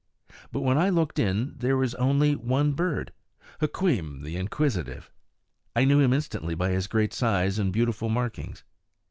But when I looked in, there was only one bird, Hukweem the Inquisitive. I knew him instantly by his great size and beautiful markings.